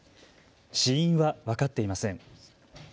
死因は分かっていません。